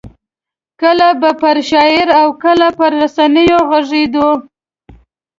کله به پر شاعرۍ او کله پر رسنیو غږېدو.